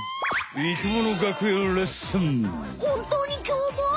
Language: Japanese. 生きもの学園レッスン！